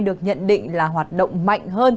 được nhận định là hoạt động mạnh hơn